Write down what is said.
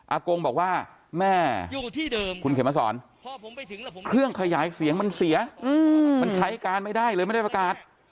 กงบอกว่าแม่คุณเขมสอนเครื่องขยายเสียงมันเสียมันใช้การไม่ได้เลยไม่ได้ประกาศ